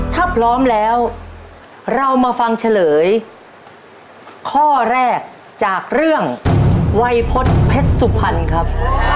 ถ้าพร้อมแล้วเรามาฟังเฉลยข้อแรกจากเรื่องวัยพฤษเพชรสุพรรณครับ